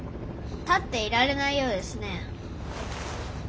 立っていられないようですねェ。